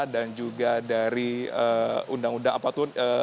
dan juga dari undang undang apa itu